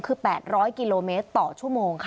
คือ๘๐๐กิโลเมตรต่อชั่วโมงค่ะ